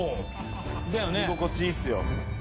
住み心地いいっすよ